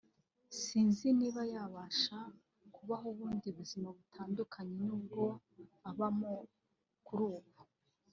sinzi niba yabasha kubaho ubundi buzima butandukanye n’ubwo abamo kuri ubu”